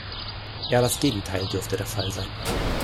Eher das Gegenteil dürfte der Fall sein.